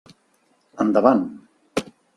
Endavant.